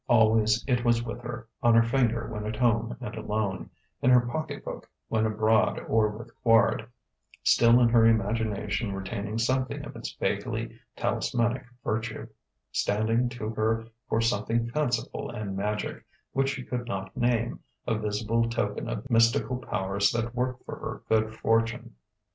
Always it was with her, on her finger when at home and alone, in her pocket book when abroad or with Quard; still in her imagination retaining something of its vaguely talismanic virtue; standing to her for something fanciful and magic, which she could not name, a visible token of the mystical powers that worked for her good fortune....